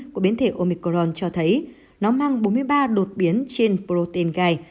của biến thể omicron cho thấy nó mang bốn mươi ba đột biến trên protein gai